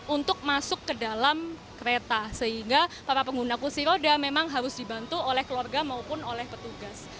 untuk masuk ke dalam kereta sehingga para pengguna kursi roda memang harus dibantu oleh keluarga maupun oleh petugas